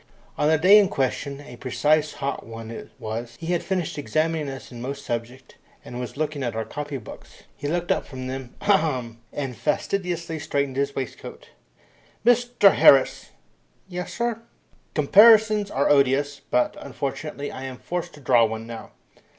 On the day in question a precious hot one it was he had finished examining us in most subjects, and was looking at our copy books. He looked up from them, ahemed! and fastidiously straightened his waistcoat. "Mr Harris! "Yes, sir." "Comparisons are odious, but, unfortunately, I am forced to draw one now."